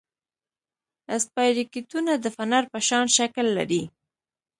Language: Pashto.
اسپایروکیټونه د فنر په شان شکل لري.